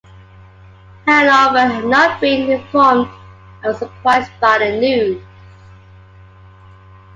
Hanover had not been informed and was surprised by the news.